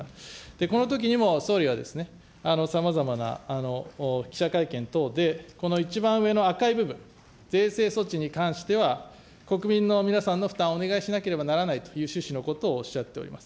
このときにも総理は、さまざまな記者会見等で、この一番上の赤い部分、税制措置に関しては、国民の皆さんの負担をお願いしなければならないという趣旨のことをおっしゃっております。